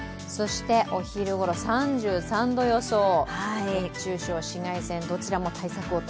お昼ごろ３３度予想、熱中症、紫外線、どちらも対策をと。